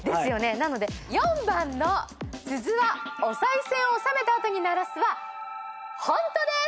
なので４番の鈴はおさい銭を納めた後に鳴らすはホントです。